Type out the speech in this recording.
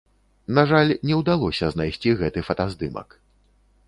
На жаль, не ўдалося знайсці гэты фотаздымак.